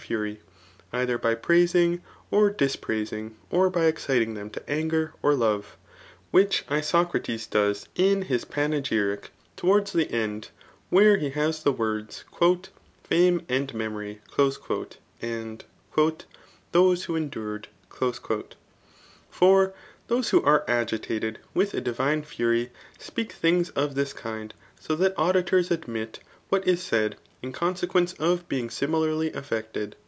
fury, either by praising .or dispraisiog, <^f \^ eixUing them to anger or love, which Ispcrat^ does in his Panegyric J towards the end, where he has tt^e words •* fame and memory." And ";*^^^^ ^^P endwerf/' For those, who are agitated with a divine fury,, sp^ things cf this kihd, so that the auditors admit what is said, in consequence of beingsimilarly affected.